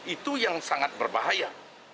itu yang sangat berbahaya